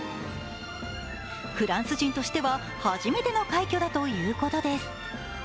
フランス人としては初めての快挙だということです。